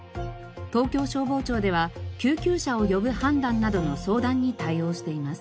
東京消防庁では救急車を呼ぶ判断などの相談に対応しています。